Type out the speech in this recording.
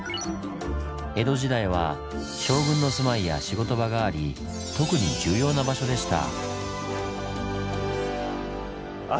江戸時代は将軍の住まいや仕事場があり特に重要な場所でした。